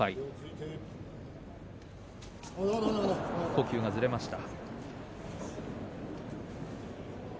呼吸がずれました。